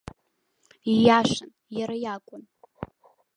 Ииашан, иара иакәын.